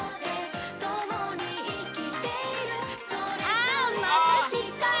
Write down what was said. あまたしっぱい！